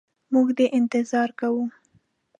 موږ دي انتظار کوو.